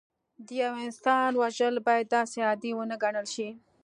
د یو انسان وژل باید داسې عادي ونه ګڼل شي